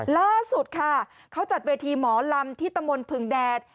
ล่าสุดค่ะเขาจัดเวทีหมอลำที่ตะมนต์ผึงแดด